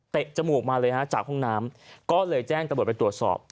เตะจมูกมาเลยจากห้องน้ำก็เลยแจ้งตะบดไปตรวจสอบ